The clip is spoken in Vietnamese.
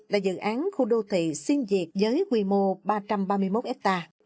là dự án khu đô thị sinh việt với quy mô ba trăm ba mươi một hectare